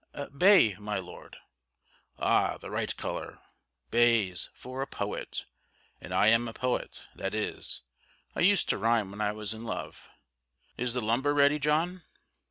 "Bay, my Lord." "Ah! the right colour, Bays, for a poet; and I am a poet: that is, I used to rhyme when I was in love. Is the lumber ready, John?"